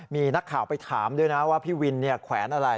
มีนักข่าวไปถามด้วยนะว่าพี่วินแขวนอะไร